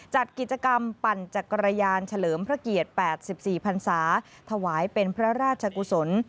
จัดกิจกรรมปั่นจักรยานเฉลิมพระเกียรติ๘๔พันศาถวายเป็นพระราชกุศล